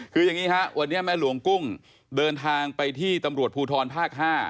คืออย่างนี้ฮะวันนี้แม่หลวงกุ้งเดินทางไปที่ตำรวจภูทรภาค๕